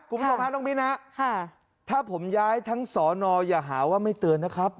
กลุ่มสมภาพน้องมิ้นนะถ้าผมย้ายทั้งสอนอย่าหาว่าไม่เตือนนะครับ